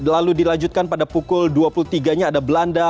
lalu dilanjutkan pada pukul dua puluh tiga nya ada belanda